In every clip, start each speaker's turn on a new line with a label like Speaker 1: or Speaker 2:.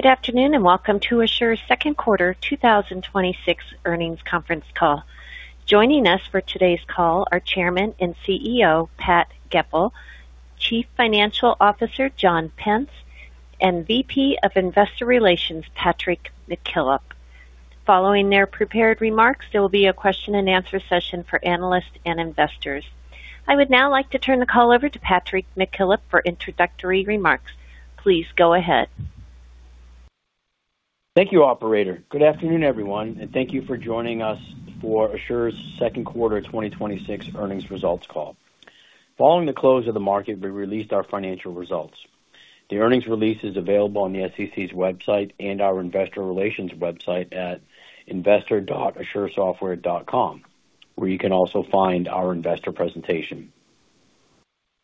Speaker 1: Good afternoon, welcome to Asure's second quarter 2026 earnings conference call. Joining us for today's call are Chairman and CEO, Pat Goepel, Chief Financial Officer, John Pence, and VP of Investor Relations, Patrick McKillop. Following their prepared remarks, there will be a question and answer session for analysts and investors. I would now like to turn the call over to Patrick McKillop for introductory remarks. Please go ahead.
Speaker 2: Thank you, operator. Good afternoon, everyone. Thank you for joining us for Asure's second quarter 2026 earnings results call. Following the close of the market, we released our financial results. The earnings release is available on the SEC's website and our investor relations website at investor.asuresoftware.com, where you can also find our investor presentation.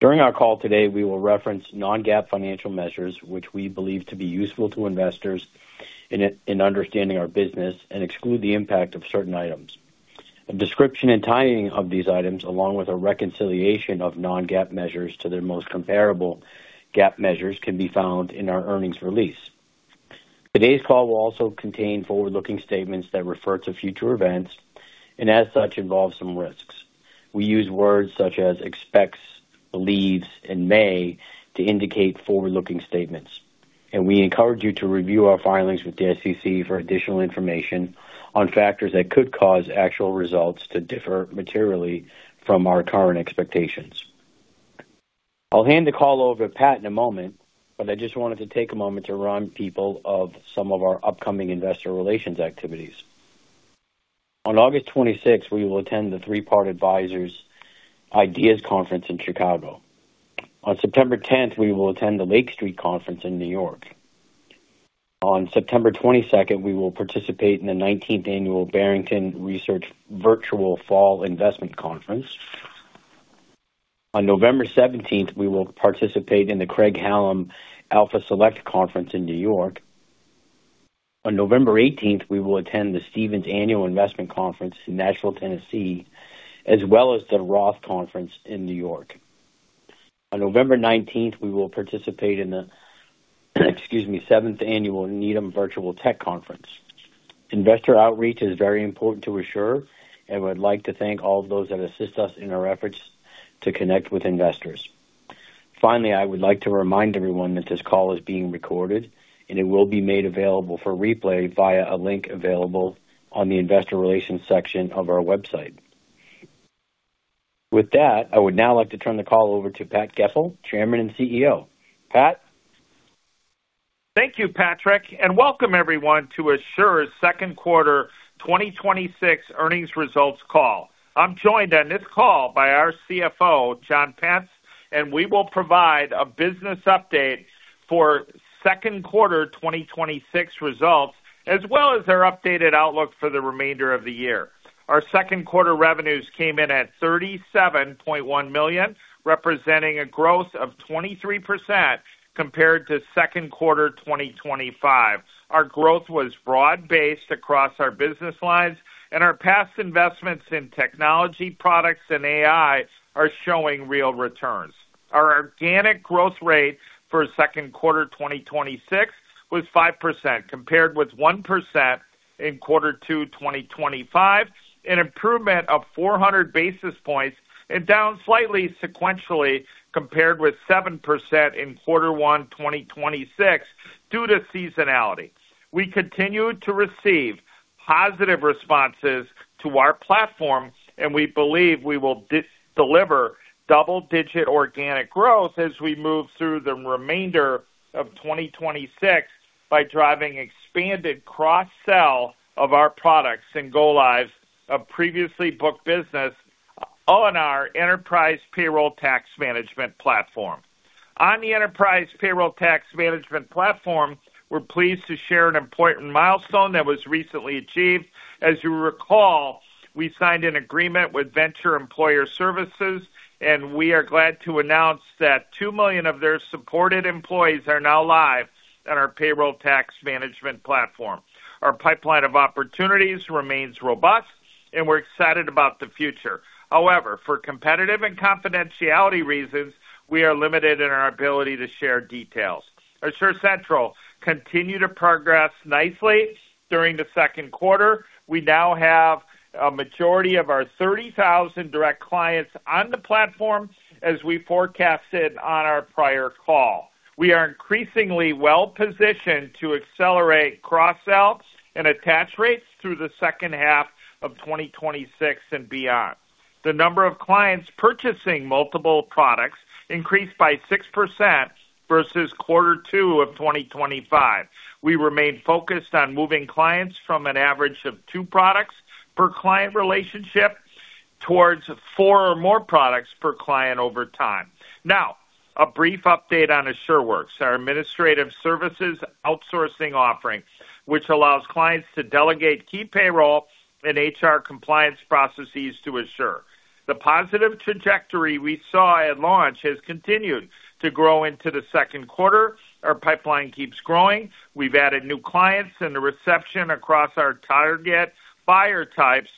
Speaker 2: During our call today, we will reference non-GAAP financial measures, which we believe to be useful to investors in understanding our business and exclude the impact of certain items. A description and timing of these items, along with a reconciliation of non-GAAP measures to their most comparable GAAP measures, can be found in our earnings release. Today's call will also contain forward-looking statements that refer to future events and, as such, involve some risks. We use words such as expects, believes, and may to indicate forward-looking statements. We encourage you to review our filings with the SEC for additional information on factors that could cause actual results to differ materially from our current expectations. I'll hand the call over to Pat in a moment, I just wanted to take a moment to remind people of some of our upcoming investor relations activities. On August 26th, we will attend the Three Part Advisors IDEAS Investor Conferences in Chicago. On September 10th, we will attend the Lake Street Conference in New York. On September 22nd, we will participate in the 19th Annual Barrington Research Virtual Fall Investment Conference. On November 17th, we will participate in the Craig-Hallum Alpha Select Conference in New York. On November 18th, we will attend the Stephens Annual Investment Conference in Nashville, Tennessee, as well as the Roth Conference in New York On November 19th, we will participate in the seventh annual Needham Virtual Tech Conference. Investor outreach is very important to Asure, we'd like to thank all those that assist us in our efforts to connect with investors. Finally, I would like to remind everyone that this call is being recorded, and it will be made available for replay via a link available on the investor relations section of our website. With that, I would now like to turn the call over to Pat Goepel, Chairman and CEO. Pat?
Speaker 3: Thank you, Patrick, and welcome everyone to Asure's second quarter 2026 earnings results call. I'm joined on this call by our CFO, John Pence. We will provide a business update for second quarter 2026 results, as well as our updated outlook for the remainder of the year. Our second quarter revenues came in at $37.1 million, representing a growth of 23% compared to second quarter 2025. Our growth was broad-based across our business lines. Our past investments in technology products and AI are showing real returns. Our organic growth rate for second quarter 2026 was 5%, compared with 1% in quarter two 2025, an improvement of 400 basis points and down slightly sequentially compared with 7% in quarter one 2026 due to seasonality. We continued to receive positive responses to our platform. We believe we will deliver double-digit organic growth as we move through the remainder of 2026 by driving expanded cross-sell of our products and go-lives of previously booked business on our Enterprise Payroll Tax management platform. On the Enterprise Payroll Tax management platform, we're pleased to share an important milestone that was recently achieved. As you recall, we signed an agreement with Vensure Employer Solutions. We are glad to announce that 2 million of their supported employees are now live on our payroll tax management platform. Our pipeline of opportunities remains robust. We're excited about the future. However, for competitive and confidentiality reasons, we are limited in our ability to share details. Asure Central continued to progress nicely during the second quarter. We now have a majority of our 30,000 direct clients on the platform, as we forecasted on our prior call. We are increasingly well-positioned to accelerate cross-sells and attach rates through the second half of 2026 and beyond. The number of clients purchasing multiple products increased by 6% versus quarter two of 2025. We remain focused on moving clients from an average of two products per client relationship towards four or more products per client over time. Now, a brief update on AsureWorks, our administrative services outsourcing offering, which allows clients to delegate key payroll and HR compliance processes to Asure. The positive trajectory we saw at launch has continued to grow into the second quarter. Our pipeline keeps growing. We've added new clients. The reception across our target buyer types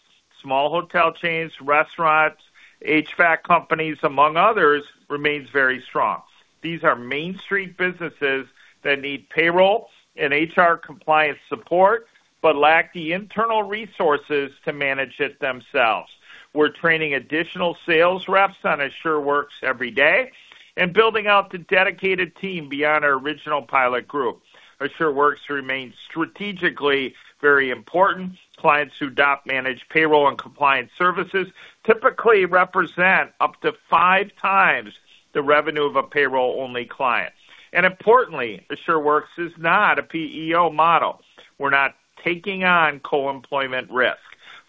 Speaker 3: Small hotel chains, restaurants, HVAC companies, among others, remains very strong. These are main street businesses that need payroll and HR compliance support, but lack the internal resources to manage it themselves. We're training additional sales reps on AsureWorks every day and building out the dedicated team beyond our original pilot group. AsureWorks remains strategically very important. Clients who adopt managed payroll and compliance services typically represent up to five times the revenue of a payroll-only client. Importantly, AsureWorks is not a PEO model. We're not taking on co-employment risk.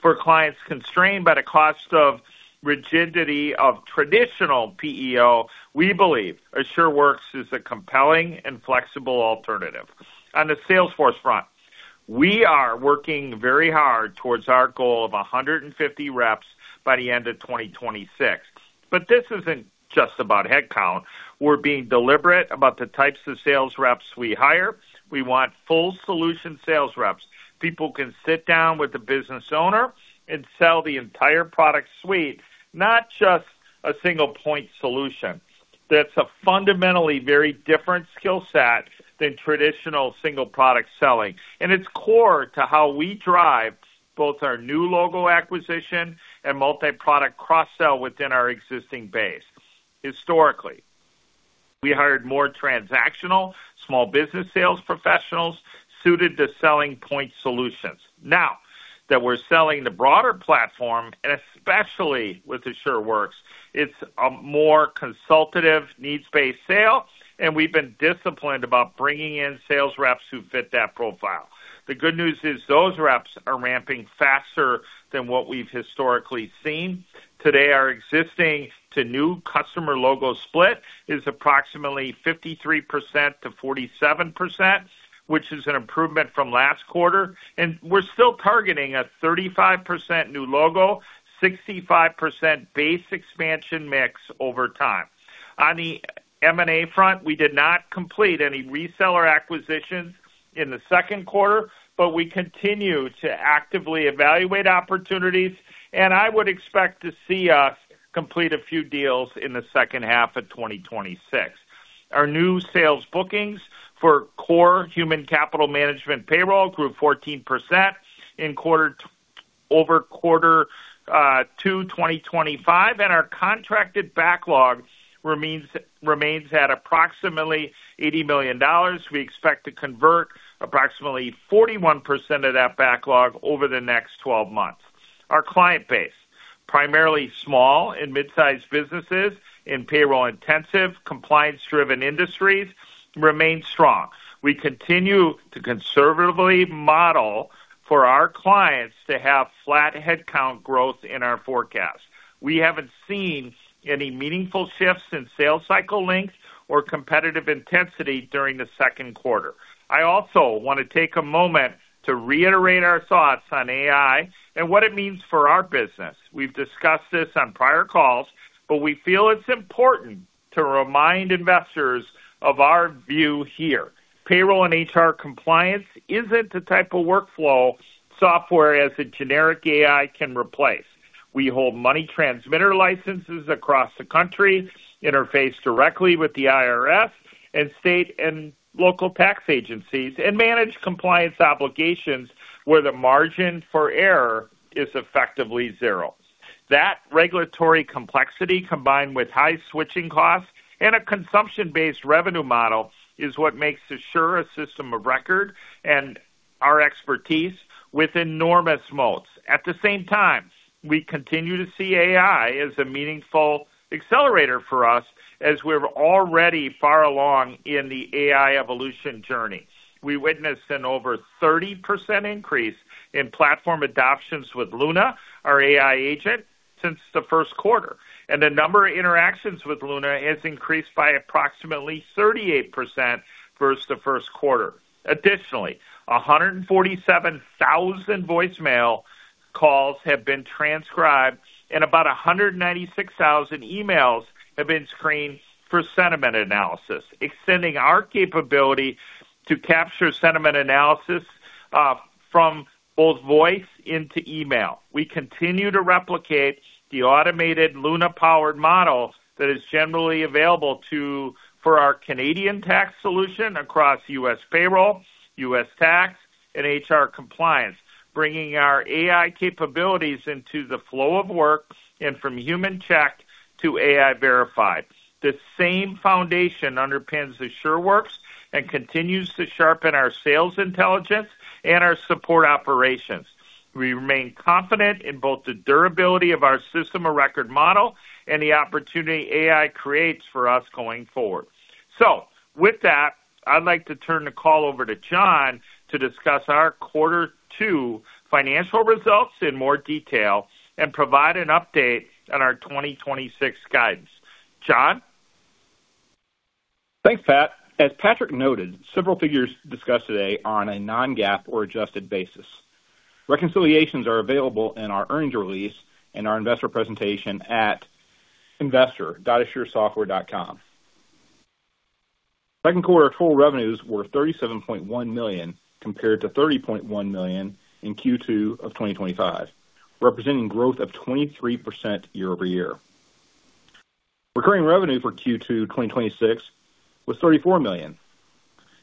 Speaker 3: For clients constrained by the cost of rigidity of traditional PEO, we believe AsureWorks is a compelling and flexible alternative. On the sales force front, we are working very hard towards our goal of 150 reps by the end of 2026. This isn't just about headcount. We're being deliberate about the types of sales reps we hire. We want full solution sales reps. People who can sit down with the business owner and sell the entire product suite, not just a single point solution. That's a fundamentally very different skill set than traditional single product selling. It's core to how we drive both our new logo acquisition and multi-product cross-sell within our existing base. Historically, we hired more transactional small business sales professionals suited to selling point solutions. Now, that we're selling the broader platform, and especially with AsureWorks, it's a more consultative needs-based sale, and we've been disciplined about bringing in sales reps who fit that profile. The good news is those reps are ramping faster than what we've historically seen. Today, our existing to new customer logo split is approximately 53%-47%, which is an improvement from last quarter, and we're still targeting a 35% new logo, 65% base expansion mix over time. On the M&A front, we did not complete any reseller acquisitions in the second quarter, but we continue to actively evaluate opportunities, and I would expect to see us complete a few deals in the second half of 2026. Our new sales bookings for core human capital management payroll grew 14% over quarter two 2025, and our contracted backlog remains at approximately $80 million. We expect to convert approximately 41% of that backlog over the next 12 months. Our client base, primarily small and mid-sized businesses in payroll-intensive, compliance-driven industries, remains strong. We continue to conservatively model for our clients to have flat headcount growth in our forecast. We haven't seen any meaningful shifts in sales cycle length or competitive intensity during the second quarter. I also want to take a moment to reiterate our thoughts on AI and what it means for our business. We've discussed this on prior calls, but we feel it's important to remind investors of our view here. Payroll and HR compliance isn't the type of workflow software as a generic AI can replace. We hold money transmitter licenses across the country, interface directly with the IRS and state and local tax agencies, and manage compliance obligations where the margin for error is effectively zero. That regulatory complexity, combined with high switching costs and a consumption-based revenue model, is what makes Asure a system of record and our expertise with enormous moats. At the same time, we continue to see AI as a meaningful accelerator for us as we're already far along in the AI evolution journey. We witnessed an over 30% increase in platform adoptions with Luna, our AI agent, since the first quarter, and the number of interactions with Luna has increased by approximately 38% versus the first quarter. Additionally, 147,000 voicemail calls have been transcribed and about 196,000 emails have been screened for sentiment analysis, extending our capability to capture sentiment analysis from both voice into email. We continue to replicate the automated Luna-powered model that is generally available for our Canadian tax solution across U.S. payroll, U.S. tax, and HR compliance, bringing our AI capabilities into the flow of work and from human check to AI verified. The same foundation underpins AsureWorks and continues to sharpen our sales intelligence and our support operations. We remain confident in both the durability of our system of record model and the opportunity AI creates for us going forward. With that, I'd like to turn the call over to John to discuss our quarter two financial results in more detail and provide an update on our 2026 guidance. John?
Speaker 4: Thanks, Pat. As Patrick noted, several figures discussed today are on a non-GAAP or adjusted basis. Reconciliations are available in our earnings release and our investor presentation at investor.asuresoftware.com. Second quarter total revenues were $37.1 million compared to $30.1 million in Q2 of 2025, representing growth of 23% year-over-year. Recurring revenue for Q2 2026 was $34 million,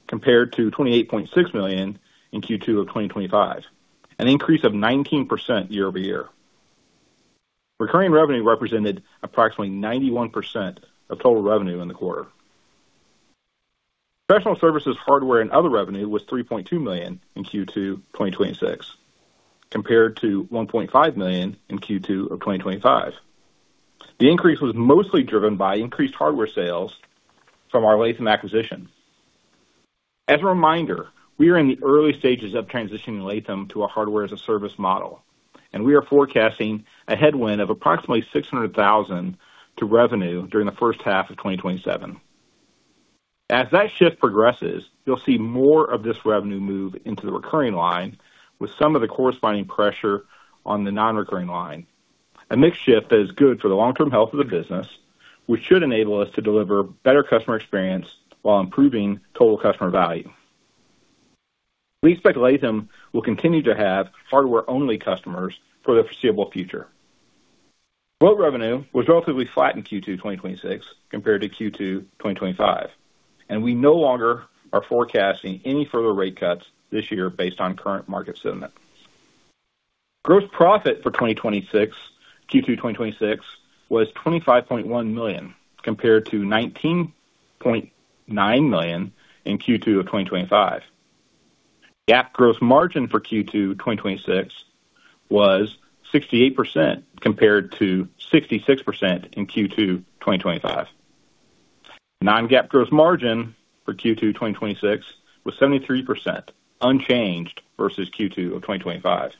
Speaker 4: compared to $28.6 million in Q2 of 2025, an increase of 19% year-over-year. Recurring revenue represented approximately 91% of total revenue in the quarter. Professional services hardware and other revenue was $3.2 million in Q2 2026, compared to $1.5 million in Q2 of 2025. The increase was mostly driven by increased hardware sales from our Lathem acquisition. As a reminder, we are in the early stages of transitioning Lathem to a hardware-as-a-service model, and we are forecasting a headwind of approximately $600,000 to revenue during the first half of 2027. As that shift progresses, you'll see more of this revenue move into the recurring line with some of the corresponding pressure on the non-recurring line. A mixed shift that is good for the long-term health of the business. We should enable us to deliver better customer experience while improving total customer value. We expect Lathem will continue to have hardware-only customers for the foreseeable future. Growth revenue was relatively flat in Q2 2026 compared to Q2 2025, and we no longer are forecasting any further rate cuts this year based on current market sentiments. Gross profit for Q2 2026 was $25.1 million, compared to $19.9 million in Q2 of 2025. GAAP gross margin for Q2 2026 was 68%, compared to 66% in Q2 2025. Non-GAAP gross margin for Q2 2026 was 73%, unchanged versus Q2 of 2025.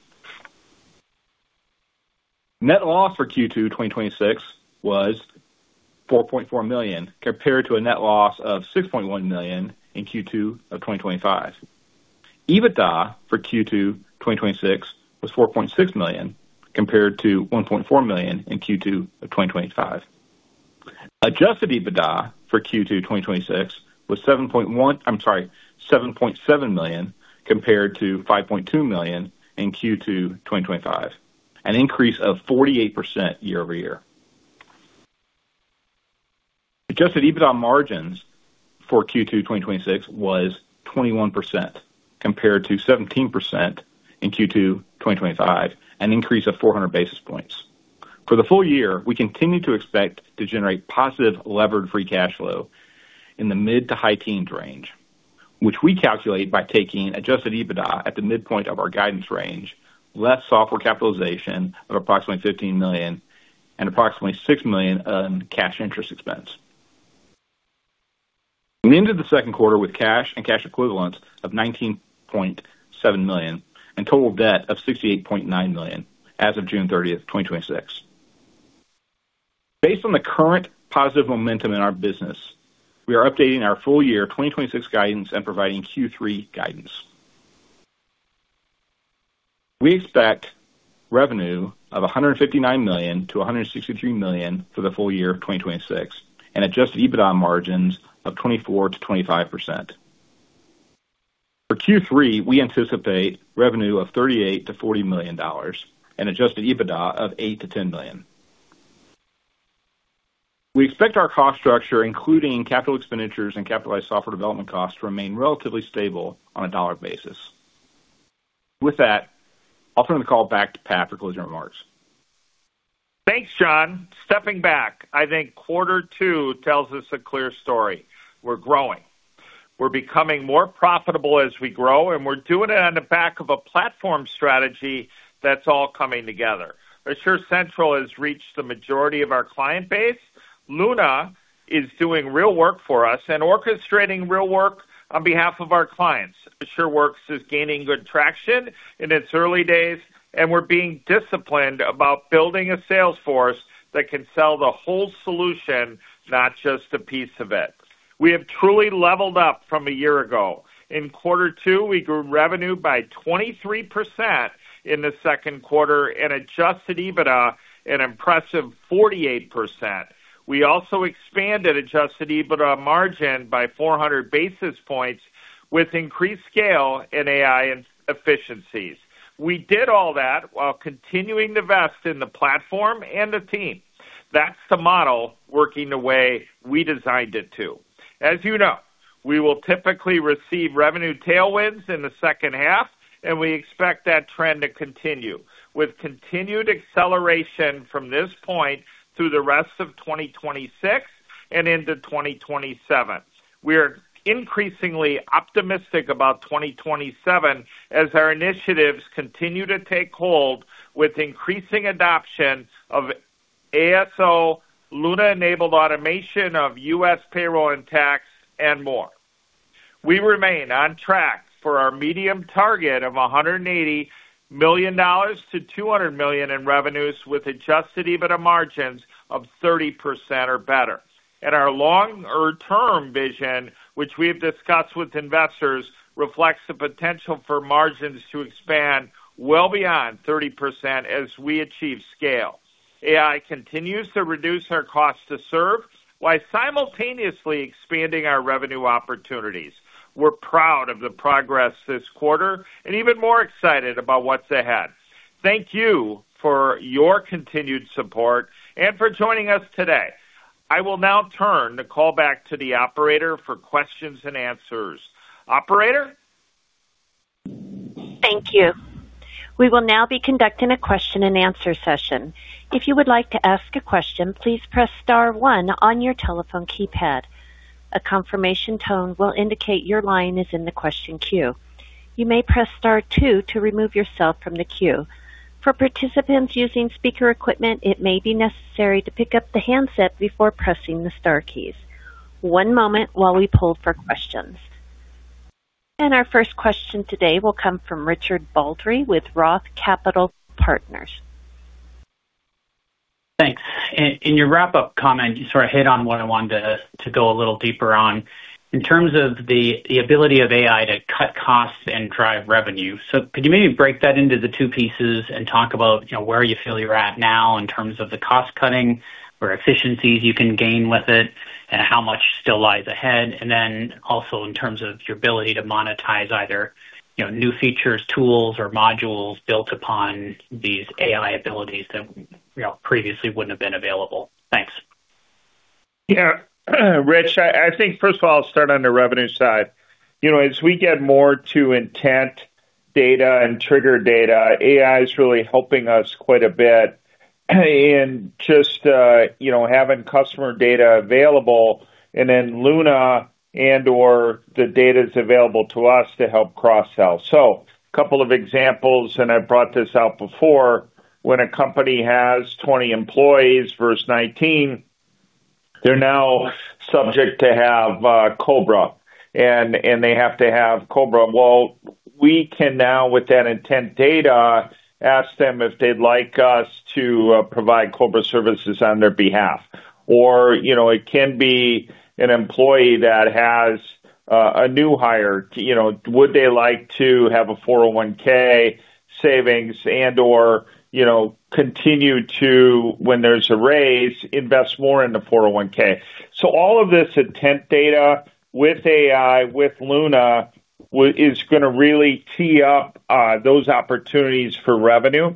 Speaker 4: Net loss for Q2 2026 was $4.4 million, compared to a net loss of $6.1 million in Q2 of 2025. EBITDA for Q2 2026 was $4.6 million, compared to $1.4 million in Q2 of 2025. Adjusted EBITDA for Q2 2026 was $7.7 million compared to $5.2 million in Q2 2025, an increase of 48% year-over-year. Adjusted EBITDA margins for Q2 2026 was 21%, compared to 17% in Q2 2025, an increase of 400 basis points. For the full year, we continue to expect to generate positive levered free cash flow in the mid to high teens range, which we calculate by taking adjusted EBITDA at the midpoint of our guidance range, less software capitalization of approximately $15 million and approximately $6 million earned cash interest expense. We ended the second quarter with cash and cash equivalents of $19.7 million and total debt of $68.9 million as of June 30th, 2026. Based on the current positive momentum in our business, we are updating our full year 2026 guidance and providing Q3 guidance. We expect revenue of $159 million-$163 million for the full year of 2026 and adjusted EBITDA margins of 24%-25%. For Q3, we anticipate revenue of $38 million-$40 million and adjusted EBITDA of $8 million-$10 million. We expect our cost structure, including capital expenditures and capitalized software development costs, to remain relatively stable on a dollar basis. With that, I'll turn the call back to Pat for closing remarks.
Speaker 3: Thanks, John. Stepping back, I think quarter two tells us a clear story. We're growing. We're becoming more profitable as we grow, and we're doing it on the back of a platform strategy that's all coming together. Asure Central has reached the majority of our client base. Luna is doing real work for us and orchestrating real work on behalf of our clients. AsureWorks is gaining good traction in its early days, and we're being disciplined about building a sales force that can sell the whole solution, not just a piece of it. We have truly leveled up from a year ago. In quarter two, we grew revenue by 23% in the second quarter and adjusted EBITDA an impressive 48%. We also expanded adjusted EBITDA margin by 400 basis points with increased scale in AI and efficiencies. We did all that while continuing to invest in the platform and the team. That's the model working the way we designed it to. As you know, we will typically receive revenue tailwinds in the second half, and we expect that trend to continue. With continued acceleration from this point through the rest of 2026 and into 2027. We are increasingly optimistic about 2027 as our initiatives continue to take hold with increasing adoption of ASO, Luna-enabled automation of U.S. payroll and tax, and more. We remain on track for our medium target of $180 million-$200 million in revenues, with adjusted EBITDA margins of 30% or better. Our longer-term vision, which we've discussed with investors, reflects the potential for margins to expand well beyond 30% as we achieve scale. AI continues to reduce our cost to serve while simultaneously expanding our revenue opportunities. We're proud of the progress this quarter and even more excited about what's ahead. Thank you for your continued support and for joining us today. I will now turn the call back to the operator for questions and answers. Operator?
Speaker 1: Thank you. We will now be conducting a question and answer session. If you would like to ask a question, please press star one on your telephone keypad. A confirmation tone will indicate your line is in the question queue. You may press star two to remove yourself from the queue. For participants using speaker equipment, it may be necessary to pick up the handset before pressing the star keys. One moment while we pull for questions. Our first question today will come from Richard Baldry with Roth Capital Partners.
Speaker 5: Thanks. In your wrap-up comment, you sort of hit on what I wanted to go a little deeper on in terms of the ability of AI to cut costs and drive revenue. Could you maybe break that into the two pieces and talk about where you feel you're at now in terms of the cost-cutting or efficiencies you can gain with it, and how much still lies ahead? Also in terms of your ability to monetize either new features, tools, or modules built upon these AI abilities that previously wouldn't have been available. Thanks.
Speaker 3: Yeah. Rich, I think, first of all, I'll start on the revenue side. As we get more to intent data and trigger data, AI is really helping us quite a bit in just having customer data available, Luna and/or the data's available to us to help cross-sell. A couple of examples, and I've brought this up before. When a company has 20 employees versus 19, they're now subject to have COBRA, and they have to have COBRA. We can now, with that intent data, ask them if they'd like us to provide COBRA services on their behalf. It can be an employee that has a new hire, would they like to have a 401 savings and/or continue to, when there's a raise, invest more in the 401? All of this intent data with AI, with Luna, is going to really tee up those opportunities for revenue.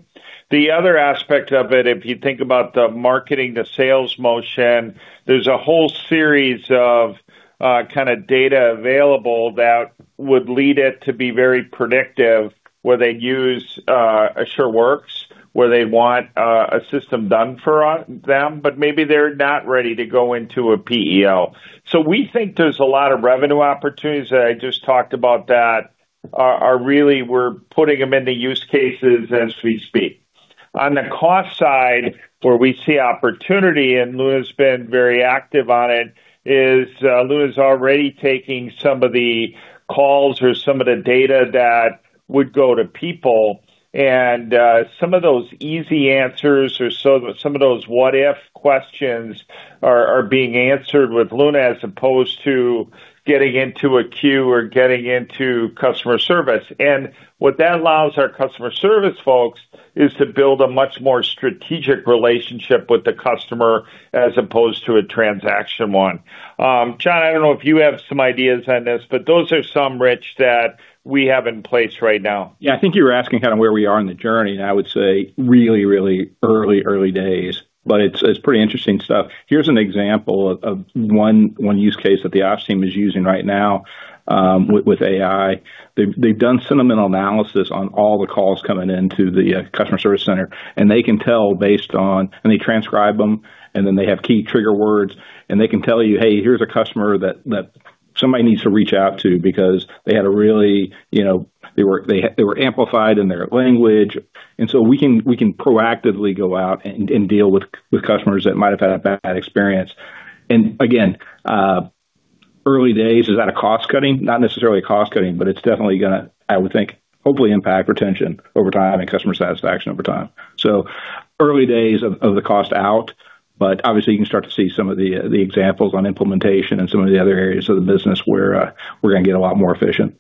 Speaker 3: The other aspect of it, if you think about the marketing, the sales motion, there's a whole series of kind of data available that would lead it to be very predictive, where they use AsureWorks, where they want a system done for them, but maybe they're not ready to go into a PEO. We think there's a lot of revenue opportunities that I just talked about that are really, we're putting them into use cases as we speak. On the cost side, where we see opportunity, and Luna's been very active on it, Luna's already taking some of the calls or some of the data that would go to people, and some of those easy answers or some of those what if questions are being answered with Luna as opposed to getting into a queue or getting into customer service. What that allows our customer service folks is to build a much more strategic relationship with the customer as opposed to a transaction one. John, I don't know if you have some ideas on this, but those are some, Rich, that we have in place right now.
Speaker 4: Yeah. I think you were asking kind of where we are in the journey, I would say really early days, but it's pretty interesting stuff. Here's an example of one use case that the ops team is using right now with AI. They've done sentimental analysis on all the calls coming into the customer service center, and they can tell based on they transcribe them, and then they have key trigger words, and they can tell you, hey, here's a customer that somebody needs to reach out to because they had a really, they were amplified in their language. So we can proactively go out and deal with customers that might have had a bad experience. Again, early days. Is that a cost-cutting? Not necessarily a cost-cutting, but it's definitely going to, I would think, hopefully impact retention over time and customer satisfaction over time. Early days of the cost out, but obviously you can start to see some of the examples on implementation and some of the other areas of the business where we're going to get a lot more efficient.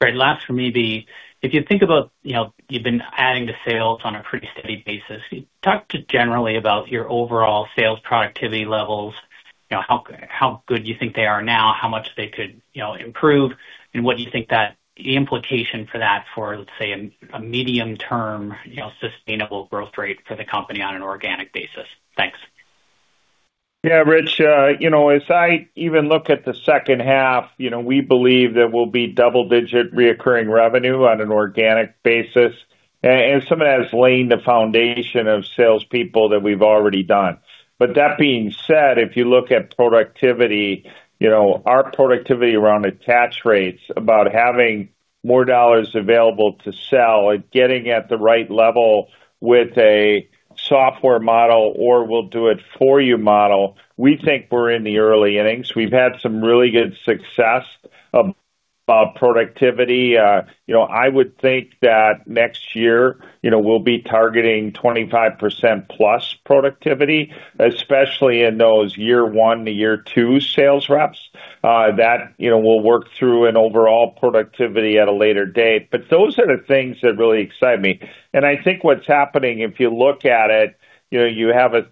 Speaker 5: Great. Last for me, if you think about you've been adding to sales on a pretty steady basis. Can you talk generally about your overall sales productivity levels? How good you think they are now, how much they could improve, and what do you think the implication for that for, let's say, a medium-term sustainable growth rate for the company on an organic basis? Thanks.
Speaker 3: Yeah, Rich. As I even look at the second half, we believe there will be double-digit recurring revenue on an organic basis, some of that is laying the foundation of salespeople that we've already done. That being said, if you look at productivity, our productivity around attach rates, about having more dollars available to sell and getting at the right level with a software model or we'll-do-it-for-you model, we think we're in the early innings. We've had some really good success of productivity. I would think that next year, we'll be targeting 25%+ productivity, especially in those year one to year two sales reps. That will work through an overall productivity at a later date. Those are the things that really excite me. I think what's happening, if you look at it, you have an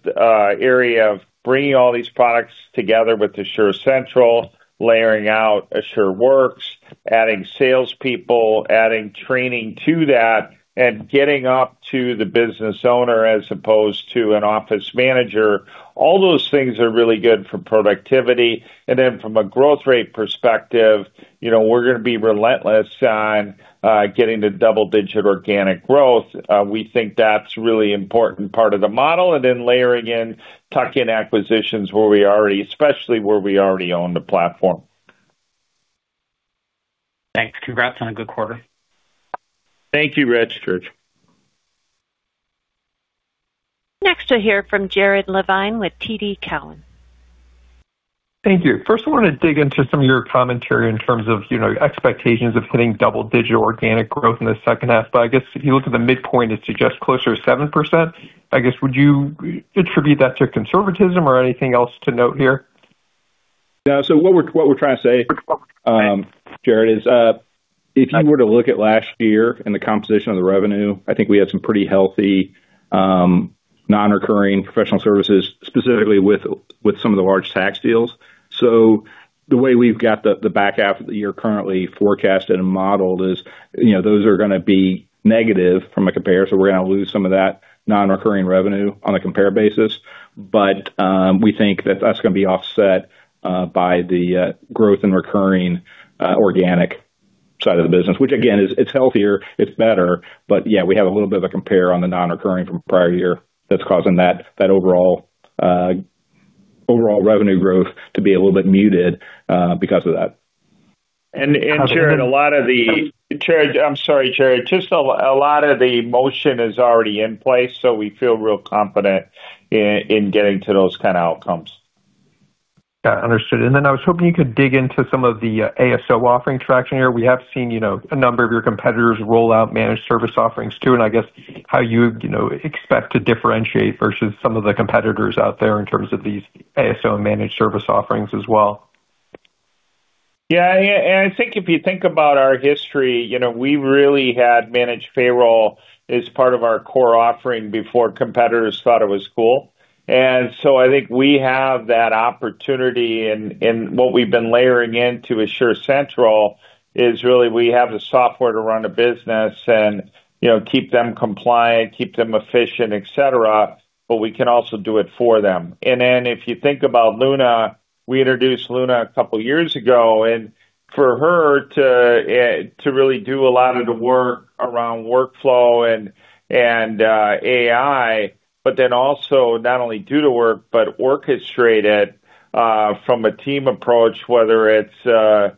Speaker 3: area of bringing all these products together with Asure Central, layering out AsureWorks, adding salespeople, adding training to that, getting up to the business owner as opposed to an office manager. All those things are really good for productivity. From a growth rate perspective, we're going to be relentless on getting to double-digit organic growth. We think that's really important part of the model, layering in tuck-in acquisitions, especially where we already own the platform.
Speaker 5: Thanks. Congrats on a good quarter.
Speaker 3: Thank you, Richard.
Speaker 1: Next, we'll hear from Jared Levine with TD Cowen.
Speaker 6: Thank you. First, I want to dig into some of your commentary in terms of expectations of hitting double-digit organic growth in the second half. I guess if you look at the midpoint, it suggests closer to 7%. Would you attribute that to conservatism or anything else to note here?
Speaker 4: What we're trying to say, Jared, is if you were to look at last year and the composition of the revenue, I think we had some pretty healthy non-recurring professional services, specifically with some of the large tax deals. The way we've got the back half of the year currently forecasted and modeled is, those are going to be negative from a compare, so we're going to lose some of that non-recurring revenue on a compare basis. We think that that's going to be offset by the growth in recurring organic side of the business, which again, it's healthier, it's better, but yeah, we have a little bit of a compare on the non-recurring from prior year that's causing that overall revenue growth to be a little bit muted, because of that.
Speaker 6: How's the-
Speaker 3: Jared, I'm sorry, Jared. Just a lot of the motion is already in place, so we feel real confident in getting to those kind of outcomes.
Speaker 6: Yeah, understood. I was hoping you could dig into some of the ASO offering traction here. We have seen a number of your competitors roll out managed service offerings too, and I guess how you expect to differentiate versus some of the competitors out there in terms of these ASO managed service offerings as well.
Speaker 3: Yeah. I think if you think about our history, we really had managed payroll as part of our core offering before competitors thought it was cool. I think we have that opportunity, and what we've been layering into Asure Central is really we have the software to run a business and keep them compliant, keep them efficient, et cetera, but we can also do it for them. If you think about Luna, we introduced Luna a couple of years ago, and for her to really do a lot of the work around workflow and AI, but then also not only do the work, but orchestrate it, from a team approach, whether it's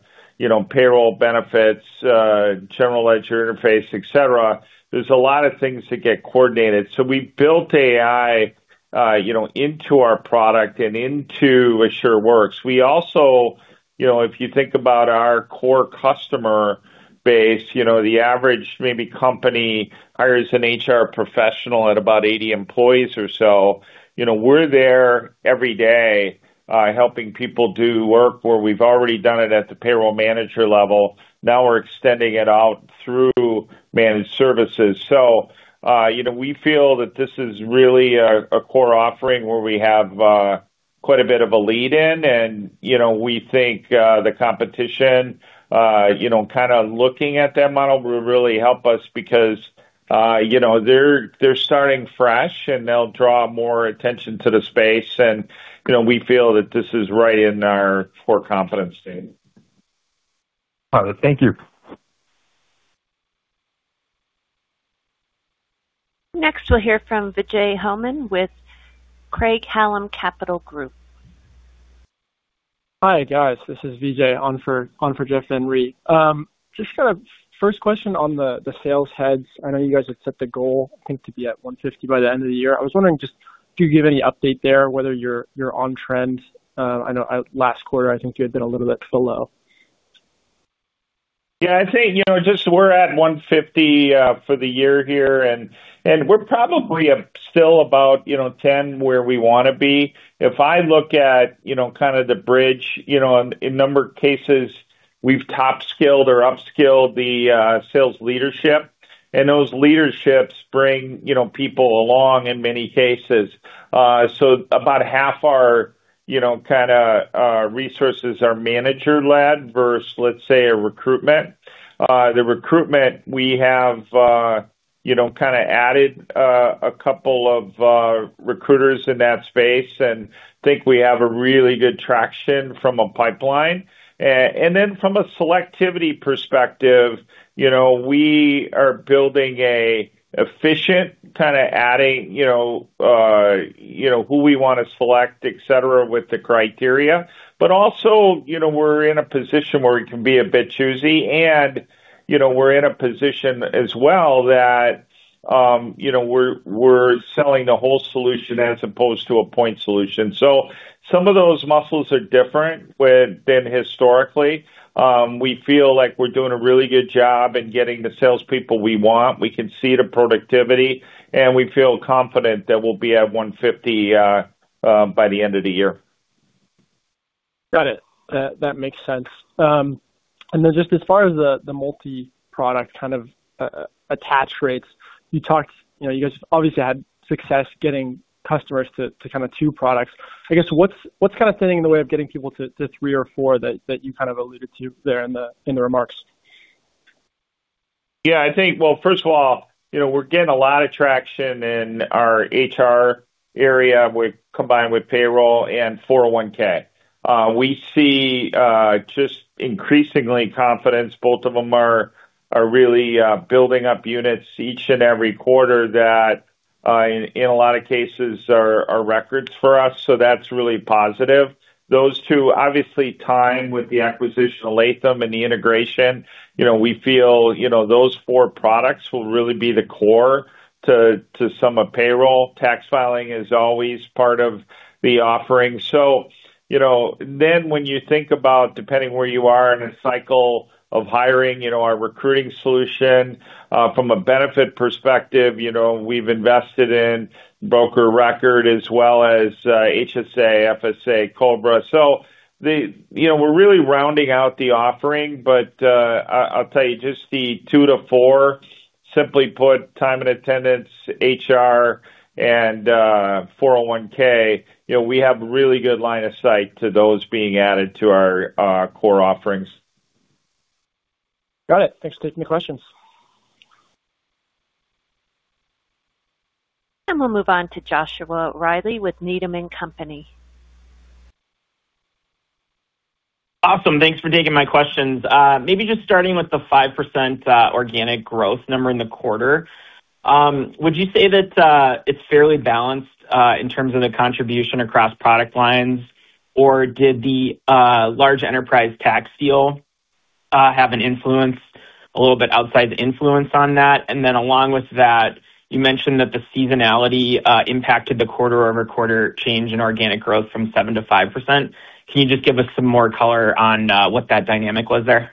Speaker 3: payroll, benefits, general ledger interface, et cetera, there's a lot of things that get coordinated. We built AI into our product and into AsureWorks. We also, if you think about our core customer base, the average maybe company hires an HR professional at about 80 employees or so. We're there every day, helping people do work where we've already done it at the payroll manager level. Now we're extending it out through managed services. We feel that this is really a core offering where we have quite a bit of a lead in, and we think the competition kind of looking at that model will really help us because they're starting fresh, and they'll draw more attention to the space. We feel that this is right in our core competency.
Speaker 6: Got it. Thank you.
Speaker 1: Next, we'll hear from Vijay Homan with Craig-Hallum Capital Group.
Speaker 7: Hi, guys. This is Vijay on for Jeff Henry. Just first question on the sales heads. I know you guys have set the goal, I think, to be at 150 by the end of the year. I was wondering just, do you give any update there whether you're on trend? I know last quarter, I think you had been a little bit below.
Speaker 3: Yeah, I'd say, just we're at 150 for the year here. We're probably still about 10 where we want to be. If I look at kind of the bridge, in a number of cases, we've top-skilled or up-skilled the sales leadership. Those leaderships bring people along in many cases. About half our resources are manager-led versus, let's say, a recruitment. The recruitment, we have kind of added a couple of recruiters in that space and think we have a really good traction from a pipeline. From a selectivity perspective, we are building an efficient kind of adding who we want to select, et cetera, with the criteria. Also, we're in a position where we can be a bit choosy and we're in a position as well that we're selling the whole solution as opposed to a point solution. Some of those muscles are different than historically. We feel like we're doing a really good job in getting the salespeople we want. We can see the productivity, and we feel confident that we'll be at 150 by the end of the year.
Speaker 7: Got it. That makes sense. Just as far as the multi-product kind of attach rates, you guys obviously had success getting customers to two products. I guess, what's kind of standing in the way of getting people to three or four that you kind of alluded to there in the remarks?
Speaker 3: Yeah. I think, well, first of all, we're getting a lot of traction in our HR area combined with payroll and 401(k). We see just increasingly confidence. Both of them are really building up units each and every quarter that, in a lot of cases, are records for us. That's really positive. Those two obviously tie in with the acquisition of Lathem and the integration. We feel those four products will really be the core to some of payroll. Tax filing is always part of the offering. When you think about depending where you are in a cycle of hiring, our recruiting solution, from a benefit perspective, we've invested in broker of record as well as HSA, FSA, COBRA. We're really rounding out the offering. I'll tell you, just the two to four, simply put, time and attendance, HR, and 401, we have really good line of sight to those being added to our core offerings.
Speaker 7: Got it. Thanks for taking the questions.
Speaker 1: We'll move on to Joshua Reilly with Needham & Company.
Speaker 8: Awesome. Thanks for taking my questions. Maybe just starting with the 5% organic growth number in the quarter. Would you say that it's fairly balanced in terms of the contribution across product lines, or did the large enterprise tax deal have an influence, a little bit outside the influence on that? Along with that, you mentioned that the seasonality impacted the quarter-over-quarter change in organic growth from 7%-5%. Can you just give us some more color on what that dynamic was there?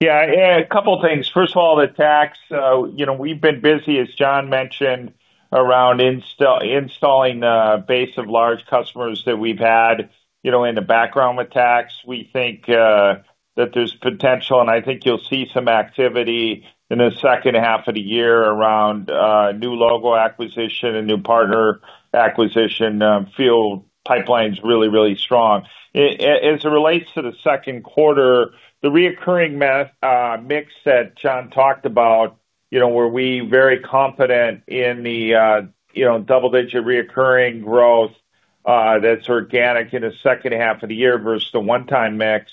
Speaker 3: Yeah. A couple things. First of all, the tax. We've been busy, as John mentioned, around installing a base of large customers that we've had in the background with tax. We think that there's potential, and I think you'll see some activity in the second half of the year around new logo acquisition and new partner acquisition. Field pipeline's really strong. As it relates to the second quarter, the reoccurring mix that John talked about, where we're very confident in the double-digit reoccurring growth that's organic in the second half of the year versus the one-time mix.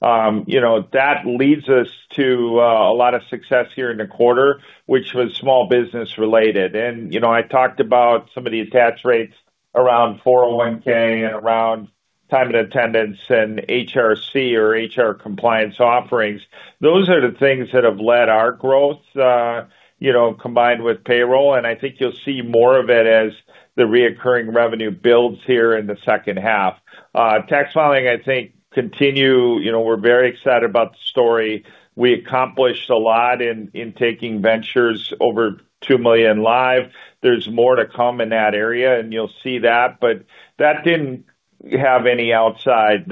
Speaker 3: That leads us to a lot of success here in the quarter, which was small business-related. I talked about some of the attach rates around 401 and around time and attendance and HRC or HR compliance offerings. Those are the things that have led our growth, combined with payroll. I think you'll see more of it as the reoccurring revenue builds here in the second half. Tax filing, I think, continue. We're very excited about the story. We accomplished a lot in taking Vensure over 2 million live. There's more to come in that area, and you'll see that, but that didn't have any outside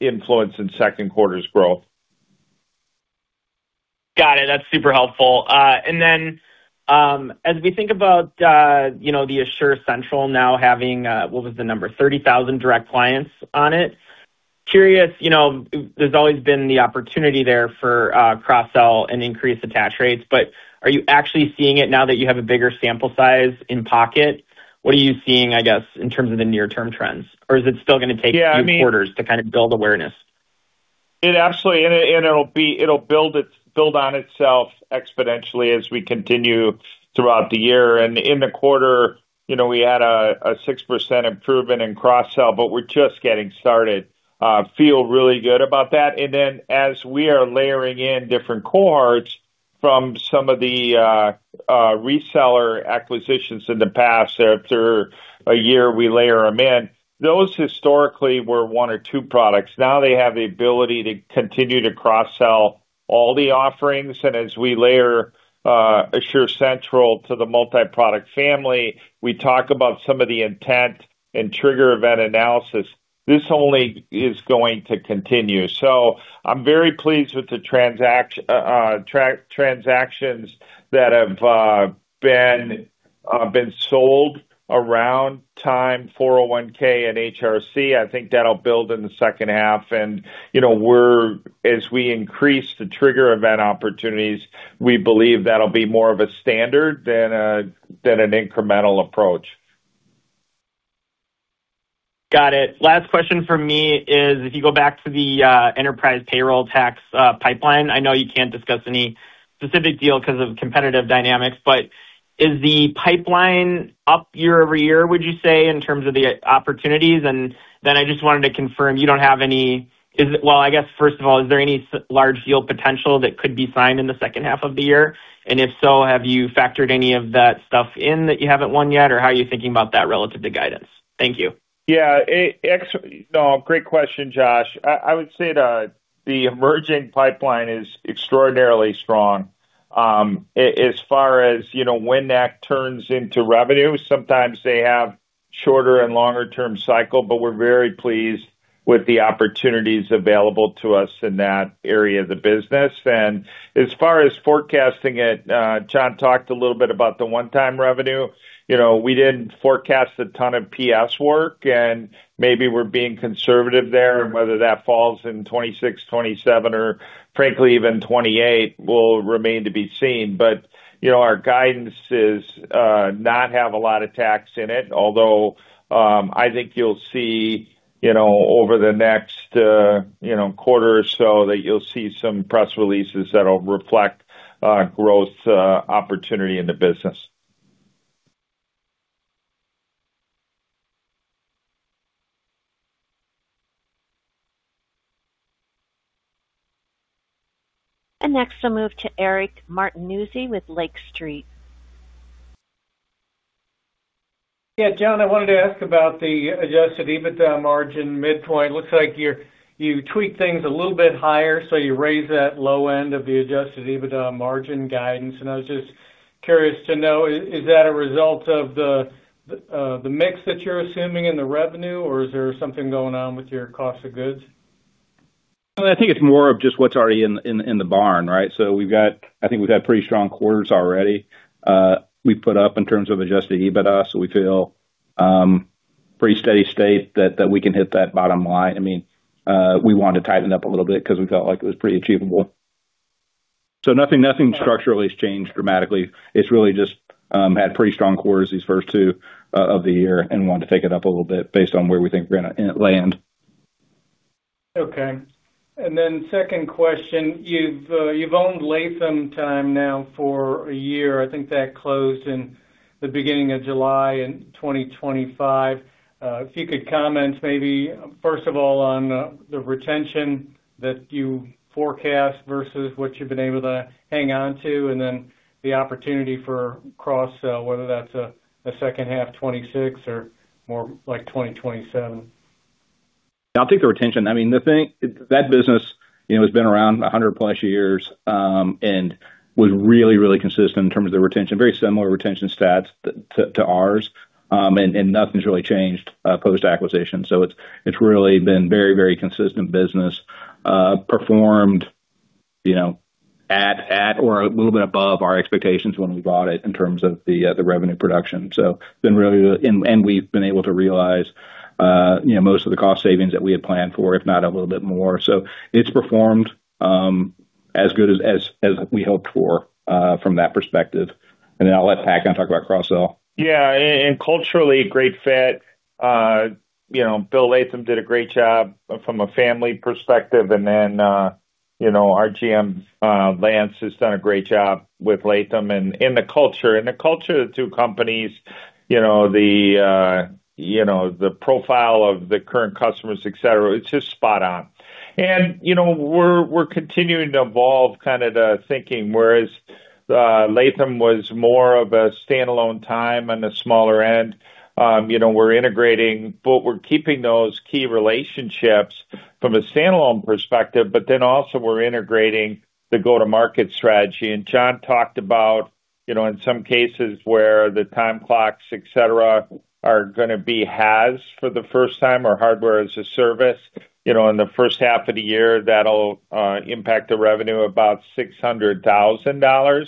Speaker 3: influence in second quarter's growth.
Speaker 8: Got it. That's super helpful. Then, as we think about the AsureCentral now having, what was the number, 30,000 direct clients on it. Curious, there's always been the opportunity there for cross-sell and increased attach rates, but are you actually seeing it now that you have a bigger sample size in pocket? What are you seeing, I guess, in terms of the near-term trends? Or is it still going to take-
Speaker 3: Yeah, I mean
Speaker 8: A few quarters to kind of build awareness?
Speaker 3: It absolutely. It'll build on itself exponentially as we continue throughout the year. In the quarter we had a 6% improvement in cross-sell. We're just getting started. Feel really good about that. Then as we are layering in different cohorts from some of the reseller acquisitions in the past, after a year, we layer them in. Those historically were one or two products. Now they have the ability to continue to cross-sell all the offerings. As we layer Asure Central to the multi-product family, we talk about some of the intent and trigger event analysis. This only is going to continue. I'm very pleased with the transactions that have been sold around time, 401(k) and HRC. I think that'll build in the second half. As we increase the trigger event opportunities, we believe that'll be more of a standard than an incremental approach.
Speaker 8: Got it. Last question from me is if you go back to the enterprise payroll tax pipeline, I know you can't discuss any specific deal because of competitive dynamics, but is the pipeline up year-over-year, would you say, in terms of the opportunities? Then I just wanted to confirm, first of all, is there any large deal potential that could be signed in the second half of the year? If so, have you factored any of that stuff in that you haven't won yet, or how are you thinking about that relative to guidance? Thank you.
Speaker 3: Yeah. No, great question, Josh. I would say the emerging pipeline is extraordinarily strong. As far as when that turns into revenue, sometimes they have shorter and longer term cycle, but we're very pleased with the opportunities available to us in that area of the business. As far as forecasting it, John talked a little bit about the one-time revenue. We didn't forecast a ton of PS work. Maybe we're being conservative there. Whether that falls in 2026, 2027, or frankly, even 2028 will remain to be seen. Our guidance does not have a lot of tax in it. Although, I think you'll see over the next quarter or so, that you'll see some press releases that'll reflect growth opportunity in the business.
Speaker 1: Next we'll move to Eric Martinuzzi with Lake Street.
Speaker 9: John, I wanted to ask about the adjusted EBITDA margin midpoint. Looks like you tweaked things a little bit higher, so you raised that low end of the adjusted EBITDA margin guidance, and I was just curious to know, is that a result of the mix that you're assuming in the revenue, or is there something going on with your cost of goods?
Speaker 4: I think it's more of just what's already in the barn, right? I think we've had pretty strong quarters already. We've put up in terms of adjusted EBITDA, so we feel pretty steady state that we can hit that bottom line. We wanted to tighten up a little bit because we felt like it was pretty achievable. Nothing structurally has changed dramatically. It's really just had pretty strong quarters these first two of the year and wanted to take it up a little bit based on where we think we're going to land.
Speaker 9: Okay. Then second question, you've owned Lathem Time now for a year. I think that closed in the beginning of July in 2025. If you could comment maybe first of all on the retention that you forecast versus what you've been able to hang on to, and then the opportunity for cross-sell, whether that's a second half 2026 or more like 2027.
Speaker 4: I think the retention, that business has been around 100+ years, was really consistent in terms of their retention, very similar retention stats to ours. Nothing's really changed post-acquisition. It's really been very consistent business, performed at or a little bit above our expectations when we bought it in terms of the revenue production. We've been able to realize most of the cost savings that we had planned for, if not a little bit more. It's performed as good as we hoped for from that perspective, then I'll let Pat kind of talk about cross-sell.
Speaker 3: Yeah, culturally, great fit. Bill Lathem did a great job from a family perspective, and then our GM, Lance, has done a great job with Lathem and the culture of the two companies, the profile of the current customers, et cetera. It's just spot on. We're continuing to evolve kind of the thinking. Whereas Lathem was more of a standalone time on the smaller end, we're integrating, but we're keeping those key relationships from a standalone perspective, but then also we're integrating the go-to-market strategy. John talked about, in some cases where the time clocks, et cetera, are going to be HaaS for the first time, or Hardware-as-a-Service. In the first half of the year, that'll impact the revenue about $600,000.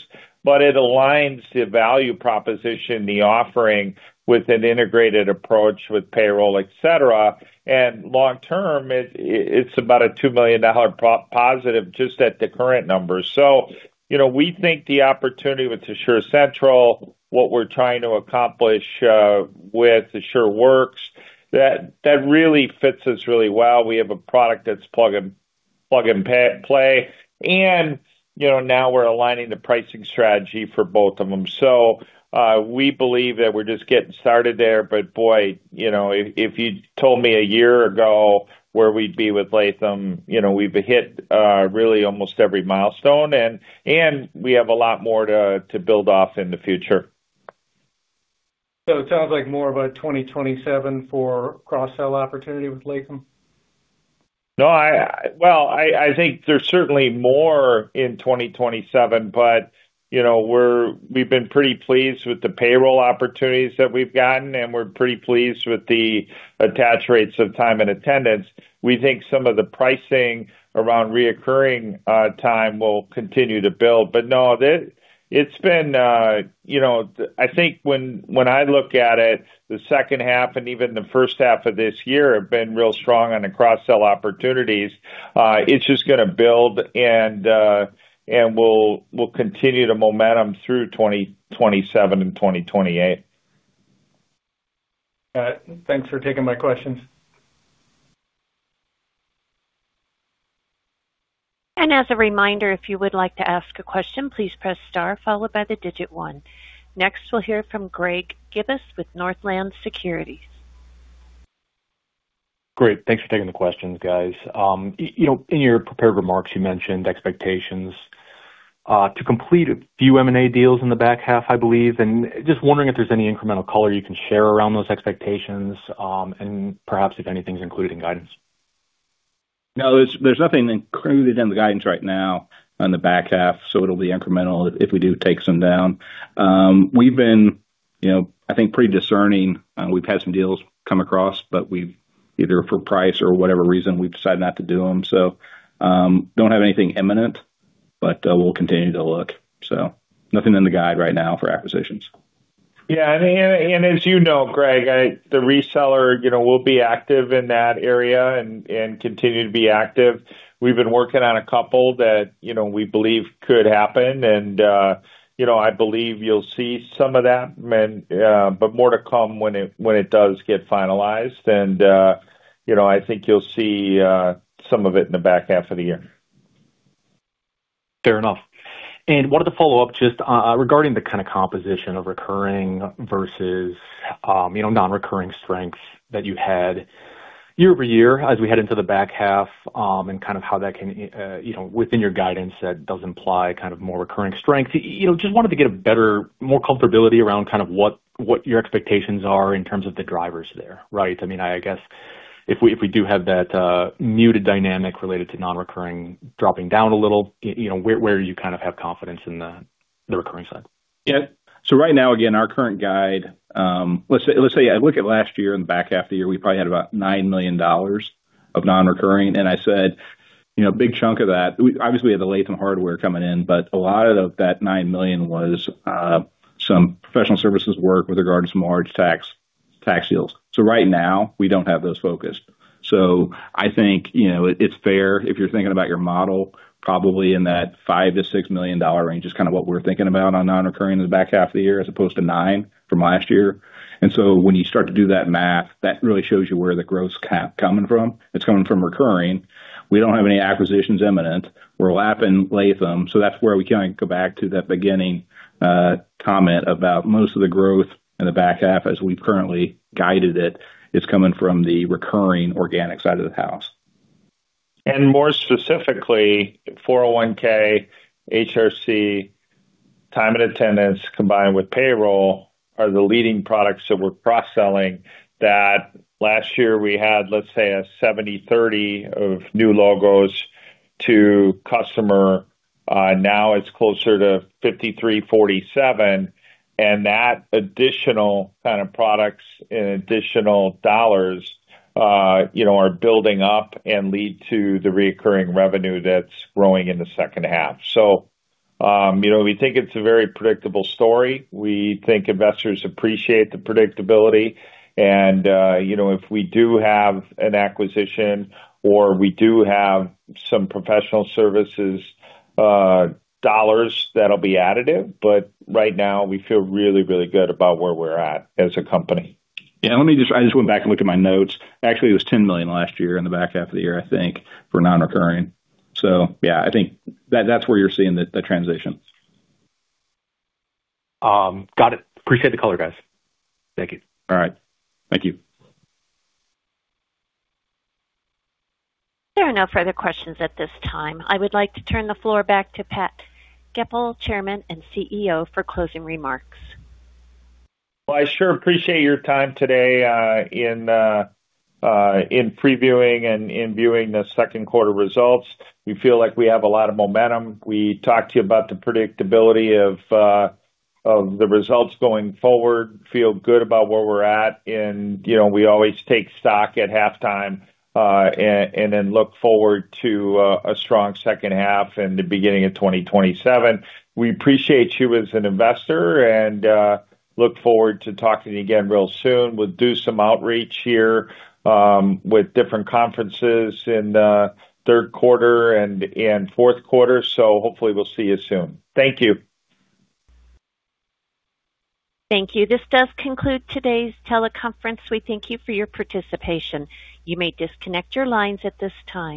Speaker 3: It aligns the value proposition, the offering, with an integrated approach with payroll, et cetera. Long term, it's about a $2 million positive just at the current numbers. We think the opportunity with Asure Central, what we're trying to accomplish with AsureWorks, that really fits us really well. We have a product that's plug and play, and now we're aligning the pricing strategy for both of them. We believe that we're just getting started there. Boy, if you'd told me a year ago where we'd be with Lathem, we've hit really almost every milestone, and we have a lot more to build off in the future.
Speaker 9: It sounds like more of a 2027 for cross-sell opportunity with Lathem?
Speaker 3: Well, I think there's certainly more in 2027, but we've been pretty pleased with the payroll opportunities that we've gotten, and we're pretty pleased with the attach rates of time and attendance. We think some of the pricing around reoccurring time will continue to build. No, I think when I look at it, the second half and even the first half of this year have been real strong on the cross-sell opportunities. It's just going to build, and we'll continue the momentum through 2027 and 2028.
Speaker 9: All right. Thanks for taking my questions.
Speaker 1: As a reminder, if you would like to ask a question, please press star followed by digit one. Next, we'll hear from Greg Gibas with Northland Securities.
Speaker 10: Great. Thanks for taking the questions, guys. In your prepared remarks, you mentioned expectations to complete a few M&A deals in the back half, I believe, just wondering if there's any incremental color you can share around those expectations, and perhaps if anything's included in guidance.
Speaker 4: No, there's nothing included in the guidance right now on the back half. It'll be incremental if we do take some down. We've been, I think, pretty discerning. We've had some deals come across, either for price or whatever reason, we've decided not to do them. Don't have anything imminent, but we'll continue to look. Nothing in the guide right now for acquisitions.
Speaker 3: Yeah. As you know, Greg, the reseller will be active in that area and continue to be active. We've been working on a couple that we believe could happen. I believe you'll see some of that, more to come when it does get finalized. I think you'll see some of it in the back half of the year.
Speaker 10: Fair enough. Wanted to follow up just regarding the kind of composition of recurring versus non-recurring strengths that you had year-over-year as we head into the back half, and kind of how that can, within your guidance, that does imply kind of more recurring strength. Just wanted to get a better, more comfortability around kind of what your expectations are in terms of the drivers there, right? I guess if we do have that muted dynamic related to non-recurring dropping down a little, where do you kind of have confidence in the recurring side?
Speaker 4: Yeah. Right now, again, our current guide, let's say I look at last year, in the back half of the year, we probably had about $9 million of non-recurring. I said, big chunk of that, obviously, we had the Lathem hardware coming in, but a lot of that $9 million was some professional services work with regards to some large tax deals. Right now, we don't have those focused. I think it's fair if you're thinking about your model, probably in that $5 million-$6 million range is kind of what we're thinking about on non-recurring in the back half of the year, as opposed to $9 million from last year. When you start to do that math, that really shows you where the growth's coming from. It's coming from recurring. We don't have any acquisitions imminent. We're lapping Lathem. That's where we go back to that beginning comment about most of the growth in the back half as we've currently guided it, is coming from the recurring organic side of the house.
Speaker 3: More specifically, 401(k, HRC, time and attendance combined with payroll are the leading products that we're cross-selling, that last year we had, let's say, a 70/30 of new logos to customer. Now it's closer to 53/47, and that additional kind of products and additional dollars are building up and lead to the recurring revenue that's growing in the second half. We think it's a very predictable story. We think investors appreciate the predictability. If we do have an acquisition or we do have some professional services dollars, that'll be additive. Right now, we feel really, really good about where we're at as a company.
Speaker 4: Yeah. I just went back and looked at my notes. Actually, it was $10 million last year in the back half of the year, I think, for non-recurring. Yeah, I think that's where you're seeing the transition.
Speaker 10: Got it. Appreciate the color, guys. Thank you.
Speaker 4: All right. Thank you.
Speaker 1: There are no further questions at this time. I would like to turn the floor back to Pat Goepel, Chairman and CEO, for closing remarks.
Speaker 3: Well, I sure appreciate your time today in previewing and in viewing the second quarter results. We feel like we have a lot of momentum. We talked to you about the predictability of the results going forward. Feel good about where we're at, and we always take stock at halftime, and then look forward to a strong second half and the beginning of 2027. We appreciate you as an investor and look forward to talking to you again real soon. We'll do some outreach here with different conferences in third quarter and fourth quarter. Hopefully we'll see you soon. Thank you.
Speaker 1: Thank you. This does conclude today's teleconference. We thank you for your participation. You may disconnect your lines at this time.